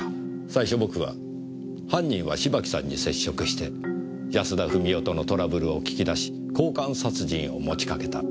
最初僕は犯人は芝木さんに接触して安田富美代とのトラブルを聞き出し交換殺人を持ちかけた。